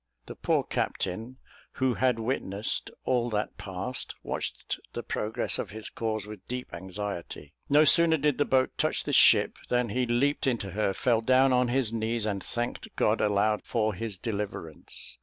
The poor captain, who had witnessed all that passed, watched the progress of his cause with deep anxiety. No sooner did the boat touch the ship, than he leaped into her, fell down on his knees, and thanked God aloud for his deliverance.